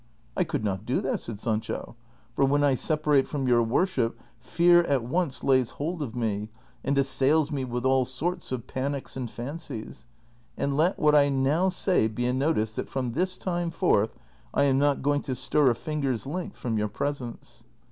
" I could not do that," said Sancho, " for when I separate from your worship fear at once lays hold of me, and assails me with all sorts of panics and fancies ; and let what I now say be a notice that from this time forth I am not going to stir a finger's length from your presence."